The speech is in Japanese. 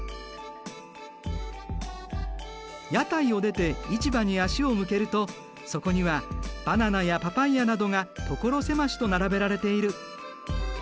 屋台を出て市場に足を向けるとそこにはバナナやパパイヤなどが所狭しと並べられている。